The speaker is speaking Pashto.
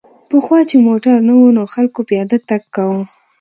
پخوا چې موټر نه و نو خلک پیاده تګ کاوه